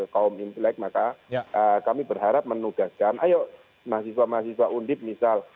kaum imlek maka kami berharap menugaskan ayo mahasiswa mahasiswa undip misal